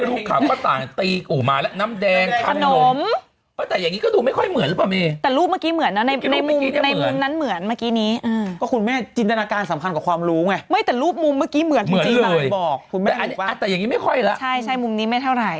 รูปมุมเมื่อกี้เหมือนถูกจริงบอกแต่อย่างนี้ไม่ค่อยแล้วใช่มุมนี้ไม่เท่าไหร่